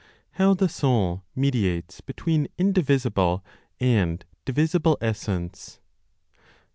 How the Soul Mediates Between Indivisible and Divisible Essence.